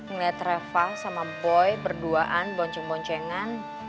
ngeliat reva sama boy berduaan boncing boncengan